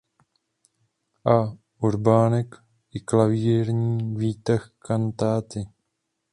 A. Urbánek i klavírní výtah kantáty.